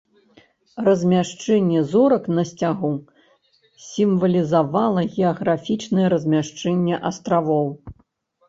Размяшчэнне зорак на сцягу сімвалізавала геаграфічнае размяшчэнне астравоў.